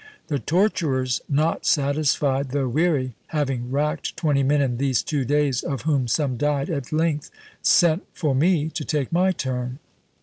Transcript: The torturers, not satisfied, though weary, having racked twenty men in these two days, of whom some died, at length sent for me to take my turn.